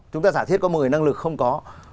chúng ta giả thiết có một mươi năng lực không có